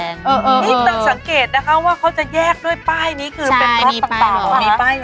นี่จะสังเกตนะคะว่าเขาจะแยกด้วยป้ายนี้คือเป็นรถต่าง